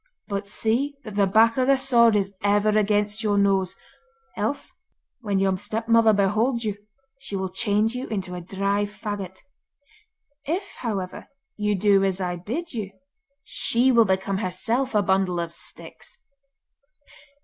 But see that the back of the sword is ever against your nose, else when your stepmother beholds you, she will change you into a dry faggot. If, however, you do as I bid you, she will become herself a bundle of sticks.